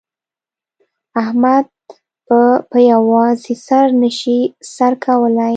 احمد په په یوازې سر نه شي سر کولای.